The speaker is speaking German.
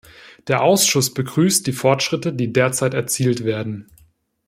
Der Ausschuss begrüßt die Fortschritte, die derzeit erzielt werden.